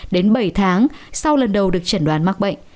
đến bảy tháng sau lần đầu được chẩn đoán mắc bệnh